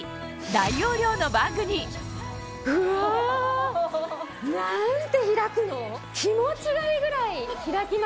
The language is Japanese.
大容量のバッグにうわ何て開くの！